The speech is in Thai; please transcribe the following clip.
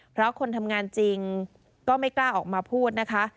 เพราะคนทำงานจริงก็ไม่กล้าออกมาพูดนะคะ